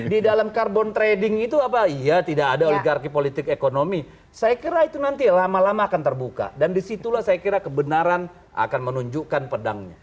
di dalam carbon trading itu apa iya tidak ada oligarki politik ekonomi saya kira itu nanti lama lama akan terbuka dan disitulah saya kira kebenaran akan menunjukkan pedangnya